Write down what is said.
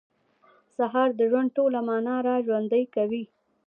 سهار د ژوند ټوله معنا راژوندۍ کوي.